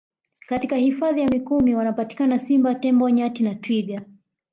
Katika Hifadhi ya Mikumi wanapatikana Simba Tembo Nyati na Twiga